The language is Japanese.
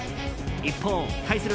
一方、対する